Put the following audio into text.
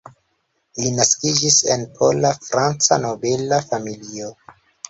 Li naskiĝis en pola-franca nobela familio.